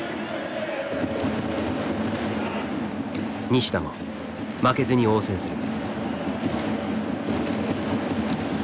西田も負けずに応戦する。